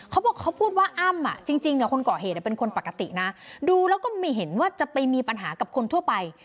เขาบอกเขาพูดว่าอ้ำจริงคนก่อเหตุเป็นคนปกตินะดูแล้วก็ไม่เห็นว่าจะไปมีปัญหากับคนทั่วไป